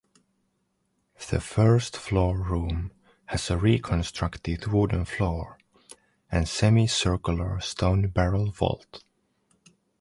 The first floor room has a reconstructed wooden floor and semicircular stone barrel vault.